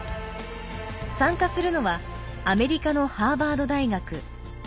参加するのはアメリカのハーバード大学。